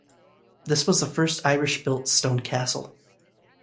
This was the first Irish built stone castle.